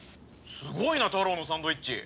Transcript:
すごいなタロウのサンドイッチ。